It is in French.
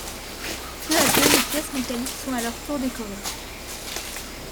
Peu à peu, les pièces métalliques sont à leur tour décorées.